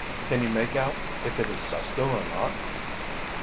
"Can you make out if it is Susko or not?"